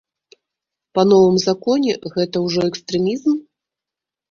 Па новым законе гэта ўжо экстрэмізм?